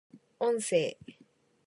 音声